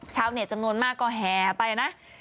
ชาวเน็ตจำนวนมากก็แห่ไปนะ